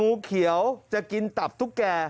งูเขียวจะกินตับตุ๊กแก่